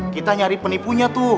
kita nyari penipunya tuh